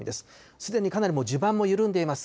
すでにかなりもう地盤も緩んでいます。